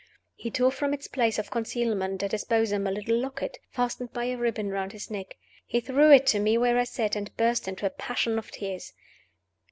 He tore from its place of concealment in his bosom a little locket, fastened by a ribbon around his neck. He threw it to me where I sat, and burst into a passion of tears.